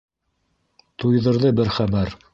—Туйҙырҙы бер хәбәр.